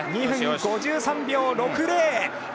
２分５３秒６０！